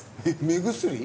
目薬？